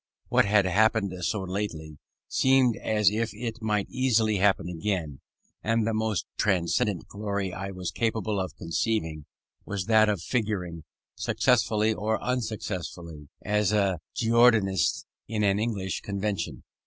What had happened so lately, seemed as if it might easily happen again: and the most transcendent glory I was capable of conceiving, was that of figuring, successful or unsuccessful, as a Girondist in an English Convention.